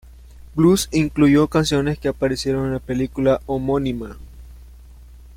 Blues" incluyó canciones que aparecieron en la película homónima.